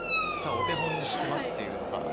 「お手本にしてます」っていうのが。